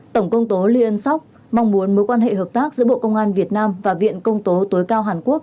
tổng công tố lyonc mong muốn mối quan hệ hợp tác giữa bộ công an việt nam và viện công tố tối cao hàn quốc